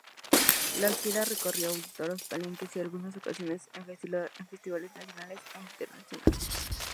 La gira recorrió auditorios, palenques y en algunas ocasiones en festivales nacionales e internacionales.